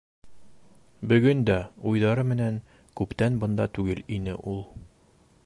Бөгөн дә уйҙары менән күптән бында түгел ине ул.